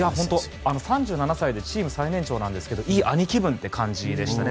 ３７歳でチーム最年長なんですがいい兄貴分という感じでしたね。